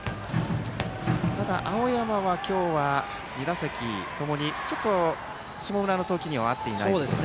青山は今日は２打席ともに下村の投球には合っていないですね。